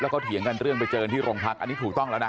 แล้วก็เถียงกันเรื่องไปเจอที่โรงพักอันนี้ถูกต้องแล้วนะ